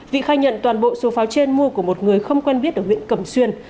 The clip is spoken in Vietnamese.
vị khai nhận toàn bộ số pháo trên mua của một người không quen biết ở huyện cầm xuyên